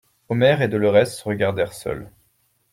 Omer et Dolorès se regardèrent seuls.